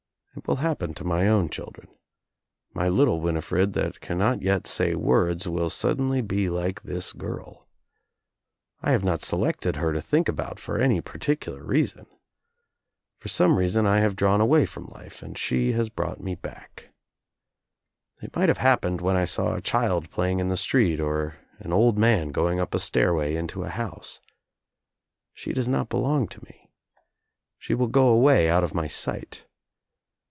It will hap pen to my own children. My little Winifred that can not yet say words will suddenly be like this girl, I have not selected her to think about for any particular reason. For some reason I have drawn away from life and she has brought me back. It might have hap pened when I saw a child playing in the street or an old man going up a stairway into a house. She does not belong to me. She will go away out of my sight.